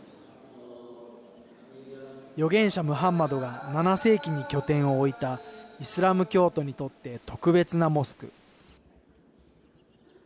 預言者ムハンマドが７世紀に拠点を置いたイスラム教徒にとって特別なモスク。